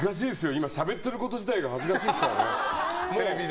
今しゃべってること自体が恥ずかしいですからね。